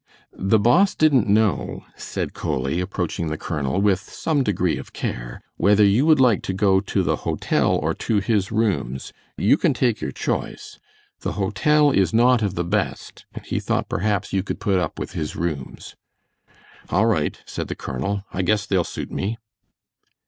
"The boss didn't know," said Coley, approaching the colonel with some degree of care, "whether you would like to go to the hotel or to his rooms; you can take your choice. The hotel is not of the best, and he thought perhaps you could put up with his rooms." "All right," said the colonel; "I guess they'll suit me."